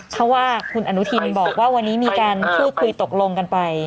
เพราะว่าคุณอนุทินบอกว่าวันนี้มีการพูดคุยตกลงกันไป